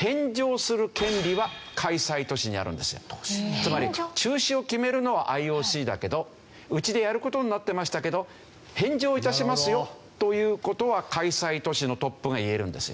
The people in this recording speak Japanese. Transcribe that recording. つまり中止を決めるのはＩＯＣだけどうちでやる事になってましたけど返上致しますよという事は開催都市のトップが言えるんですよ。